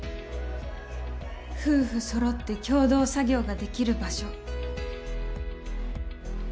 夫婦そろって共同作業ができる場所。